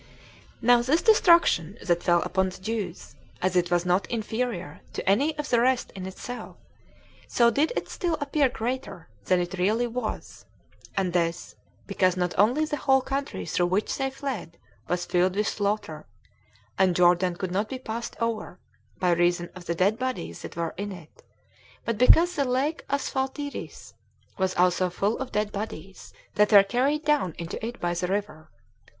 6. Now this destruction that fell upon the Jews, as it was not inferior to any of the rest in itself, so did it still appear greater than it really was; and this, because not only the whole country through which they fled was filled with slaughter, and Jordan could not be passed over, by reason of the dead bodies that were in it, but because the lake Asphaltites was also full of dead bodies, that were carried down into it by the river.